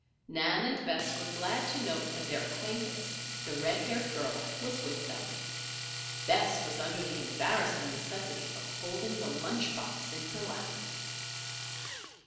Nan and Bess were glad to note that their acquaintance, the red haired girl, was with them. Bess was under the embarrassing necessity of holding the lunch box in her lap.